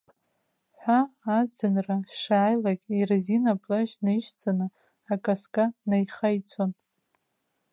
Ҳәа, аӡынра шааилак, иразина плашь наишәҵаны, акаска наихаиҵон.